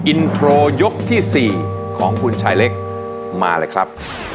อินโทรยกที่๔ของคุณชายเล็กมาเลยครับ